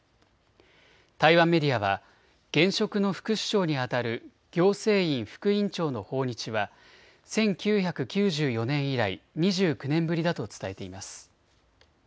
台湾メディアは現職の副首相にあたる行政院副院長の訪日は１９９４年以来２９年ぶりだと伝えています。